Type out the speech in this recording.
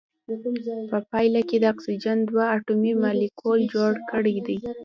په پایله کې د اکسیجن دوه اتومي مالیکول جوړ کړی دی.